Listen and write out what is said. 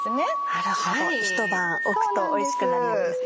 なるほど一晩置くとおいしくなるんですね。